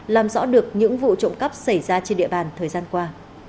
làm rõ được những vụ trộm cắp xảy ra trên địa bàn thời gian qua